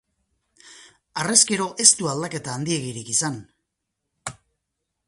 Harrezkero ez du aldaketa handiegirik izan.